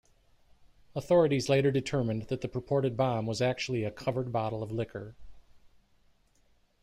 Authorities later determined that the purported bomb was actually a covered bottle of liquor.